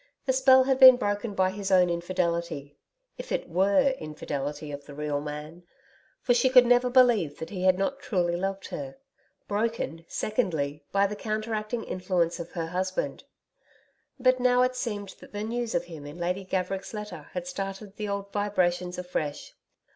The spell had been broken by his own infidelity if it WERE infidelity of the real man. For she could never believe that he had not truly loved her. Broken, secondly, by the counteracting influence of her husband. But now it seemed that the news of him in Lady Gaverick's letter had started the old vibrations afresh.